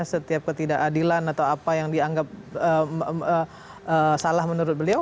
setiap ketidakadilan atau apa yang dianggap salah menurut beliau